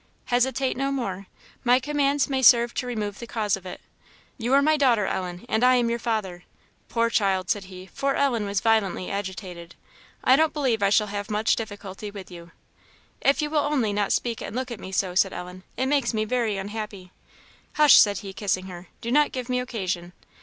"Hesitate no more. My commands may serve to remove the cause of it. You are my daughter, Ellen, and I am your father. Poor child," said he, for Ellen was violently agitated; "I don't believe I shall have much difficulty with you." "If you will only not speak and look at me so," said Ellen; "it makes me very unhappy." "Hush!" said he, kissing her; "do not give me occasion."